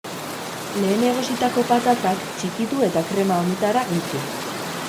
Lehen egositako patatak, txikitu eta krema honetara gehitu.